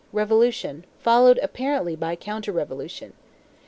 Revolution; followed apparently by counter revolution.